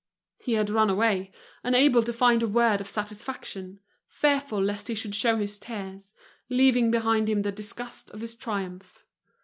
He had run away, unable to find a word of satisfaction, fearful lest he should show his tears, leaving behind him the disgust of his triumph.